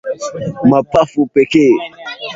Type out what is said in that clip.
mapafu pekee